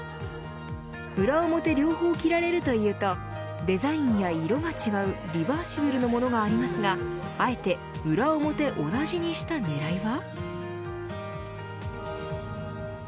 裏表両方着られるというとデザインや色が違うリバーシブルのものがありますがあえて裏表を同じにした狙いは。